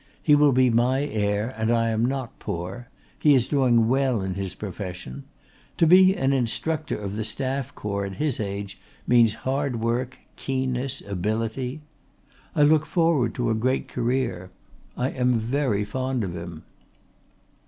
He will be my heir and I am not poor. He is doing well in his profession. To be an Instructor of the Staff Corps at his age means hard work, keenness, ability. I look forward to a great career. I am very fond of him.